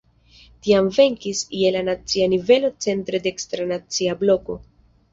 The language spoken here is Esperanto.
Tiam venkis je la nacia nivelo centre dekstra "Nacia Bloko".